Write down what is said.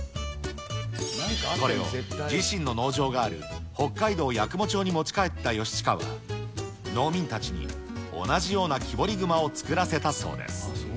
これを自身の農場がある北海道八雲町に持ち帰った義親は、農民たちに同じような木彫り熊を作らせたそうです。